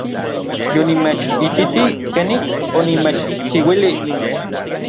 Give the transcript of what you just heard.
Yonimechititij kenik onimechchiuilij.